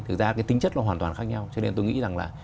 thực ra cái tính chất nó hoàn toàn khác nhau cho nên tôi nghĩ rằng là